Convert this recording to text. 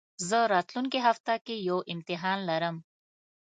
زه راتلونکي هفته کي يو امتحان لرم